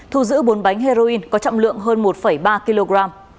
thu giữ bốn bánh heroin có trọng lượng hơn một ba kg